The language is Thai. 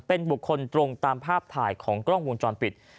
เป็นบุคคลตรงตามภาพถ่ายของกล้องวงจรปิด